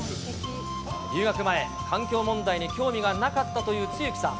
留学前、環境問題に興味がなかったという露木さん。